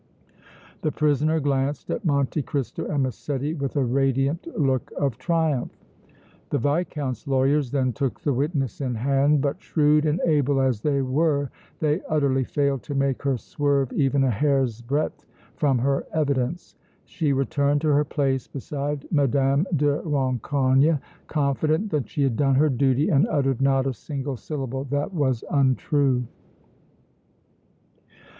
The prisoner glanced at Monte Cristo and Massetti with a radiant look of triumph. The Viscount's lawyers then took the witness in hand, but shrewd and able as they were they utterly failed to make her swerve even a hair's breadth from her evidence. She returned to her place beside Mme. de Rancogne, confident that she had done her duty and uttered not a single syllable that was untrue.